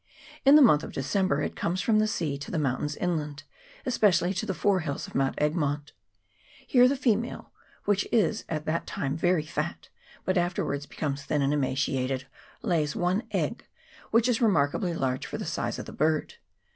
In the month of December it comes from the sea to the mountains inland, especially to the fore hills of Mount Egmont. Here the female, which is at that time very fat, but after wards becomes thin and emaciated, lays one egg, which is remarkably large for the size of the bird.